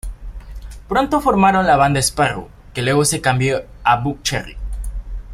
Pronto formaron la banda Sparrow, que luego se cambió a Buckcherry.